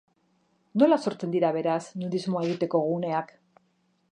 Nola sortzen dira, beraz, nudismoa egiteko guneak?